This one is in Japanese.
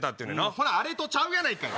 ほなあれとちゃうやないかい！